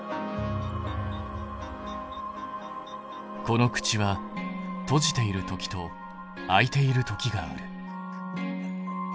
この口は閉じている時と開いている時がある。